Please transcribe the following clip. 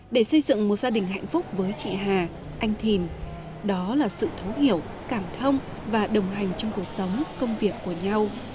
để xây dựng một gia đình hạnh phúc với chị hà anh thìn đó là sự thấu hiểu cảm thông và đồng hành trong cuộc sống công việc của nhau